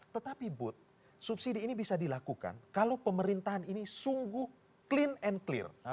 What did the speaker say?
tetapi but subsidi ini bisa dilakukan kalau pemerintahan ini sungguh clean and clear